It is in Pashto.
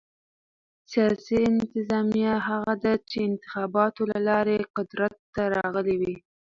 سیاسي انتظامیه هغه ده، چي انتخاباتو له لاري قدرت ته راغلي يي.